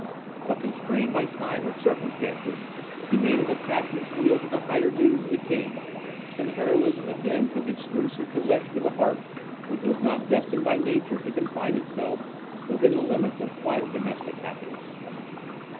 But, constrained by time and circumstances, he made his attachment yield to the higher duties of a king, and heroism again took exclusive possession of a heart which was not destined by nature to confine itself within the limits of quiet domestic happiness.